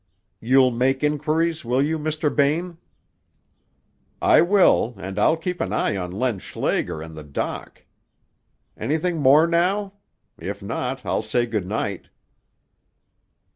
You'll make inquiries, will you, Mr. Bain?" "I will, and I'll keep an eye on Len Schlager and the doc. Anything more now? If not, I'll say good night."